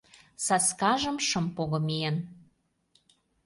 Саскажым шым пого миен.